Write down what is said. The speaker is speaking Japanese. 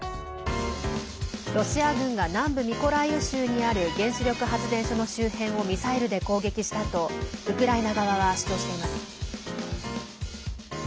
ロシア軍が南部ミコライウ州にある原子力発電所の周辺をミサイルで攻撃したとウクライナ側は主張しています。